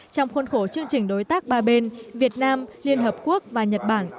trong khuôn khổ chương trình đối tác ba bên việt nam liên hợp quốc và nhật bản